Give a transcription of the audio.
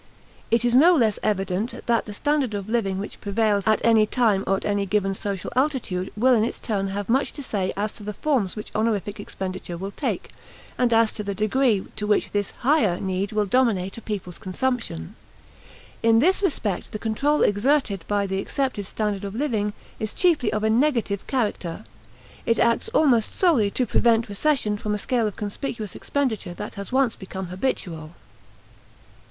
It is no less evident that the standard of living which prevails at any time or at any given social altitude will in its turn have much to say as to the forms which honorific expenditure will take, and as to the degree to which this "higher" need will dominate a people's consumption. In this respect the control exerted by the accepted standard of living is chiefly of a negative character; it acts almost solely to prevent recession from a scale of conspicuous expenditure that has once become habitual.